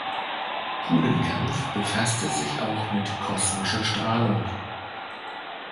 Kulenkampff befasste sich auch mit kosmischer Strahlung.